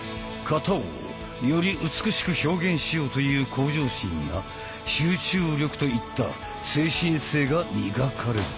形をより美しく表現しようという向上心や集中力といった精神性が磨かれる。